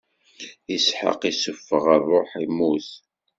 Isḥaq issufeɣ ṛṛuḥ, immut.